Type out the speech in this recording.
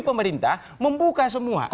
pemerintah membuka semua